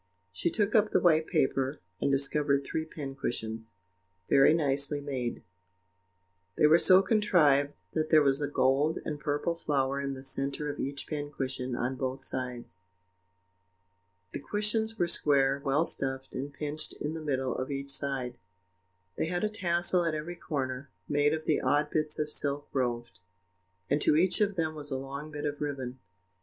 She took up the white paper, and discovered three pin cushions, very nicely made: they were so contrived that there was a gold and purple flower in the centre of each pin cushion on both sides: the cushions were square, well stuffed, and pinched in the middle of each side; they had a tassel at every corner, made of the odd bits of silk roved, and to each of them was a long bit of ribbon.